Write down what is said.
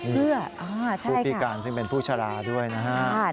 ผู้พิการซึ่งเป็นผู้ชะลาด้วยนะครับ